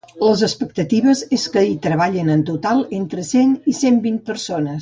Les expectatives és que hi treballin en total entre cent i cent vint persones.